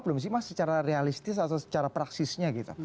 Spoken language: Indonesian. ini menurut saya masih secara realistis atau secara praksisnya gitu